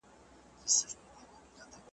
چي هر څوک پر لاري ځي ده ته عیبجن وي .